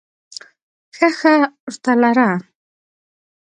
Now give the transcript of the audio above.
ښه ښه ورته لره !